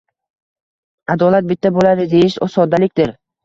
Adolat bitta bo’ladi, deyish soddalikdir.